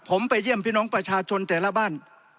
ผมไปเยี่ยมพี่น้องประชาชนแต่ละบ้าน